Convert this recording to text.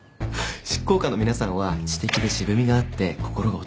執行官の皆さんは知的で渋みがあって心が落ち着きます。